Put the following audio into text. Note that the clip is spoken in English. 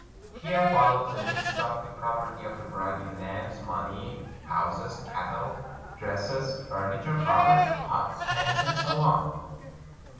Here follows a list of the property of the bride in lands, money, houses, cattle, dresses, fur niture, caipets, pots, pans, and so on.